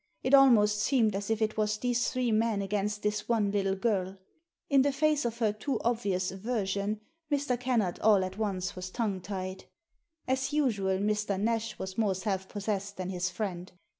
It almost seemed as if it was these three men against this one little girL In the face of her too obvious aversion Mr. Kennard all at once was tongue tied. As usual, Mr. Nash was more self possessed than his friend.